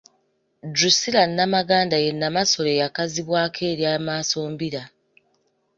Drusilla Namaganda ye Namasole eyakazibwako erya Maasombira.